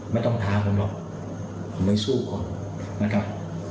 ต้องท้าผมหรอกผมไม่สู้ผมนะครับ